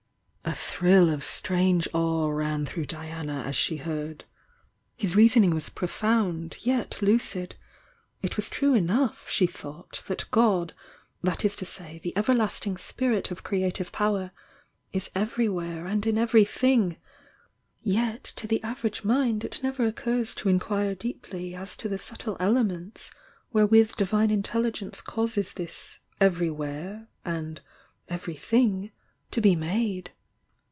A thrill of strange awe ran through Diana as she heard. His reasoning was profound, yet lucid, — it was true enough, she thought; that God, — that is to say, the everlasting spirit of creative power, — is everywhere and in everything, — yet to the average mind it never occurs to inquire deeply as to the subtle elements wherewith Divine Intelligence causes this "everywhere" and "everything" to be made.